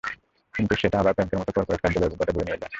কিন্তু সেটা আবার ব্যাংকের মতো করপোরেট কার্যালয়ে অভিজ্ঞতা বয়ে নিয়ে যায়।